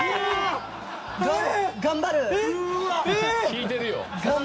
「引いてるよ」